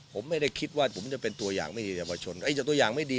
ผมไม่ได้คิดว่าผมจะเป็นตัวอย่างไม่มีเยาวชนแต่ตัวอย่างไม่ดี